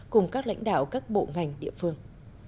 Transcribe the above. cùng các lãnh đạo các bộ ngành địa phương